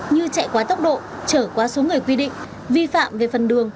như chạy quá tốc độ trở qua số người quy định vi phạm về phần đường